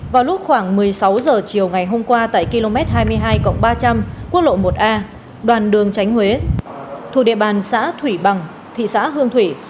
vào lúc khoảng một mươi sáu h chiều ngày hôm qua tại km hai mươi hai ba trăm linh quốc lộ một a đoạn đường tránh huế thuộc địa bàn xã thủy bằng thị xã hương thủy